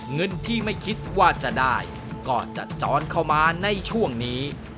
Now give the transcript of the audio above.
เงินที่ไม่คิดว่าจะได้ก็จะจรเข้ามาในช่วงนี้